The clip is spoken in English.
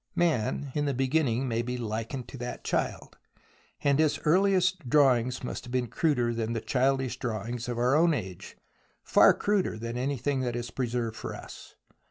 Man in the beginning may be likened to the child, and his earliest drawings must have been cruder than the childish drawings of our own age, far cruder than anything that is preserved for us.